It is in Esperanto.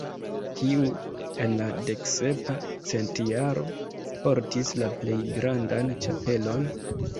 Kiu en la deksepa centjaro portis la plej grandan ĉapelon?